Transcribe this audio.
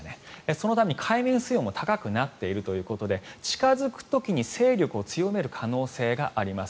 そのために海面水温も高くなっているということで近付く時に勢力を強める可能性があります。